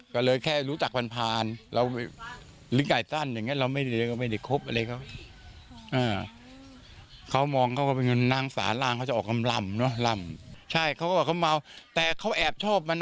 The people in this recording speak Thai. ก็เลยแค่รู้จักผ่านเราช่วย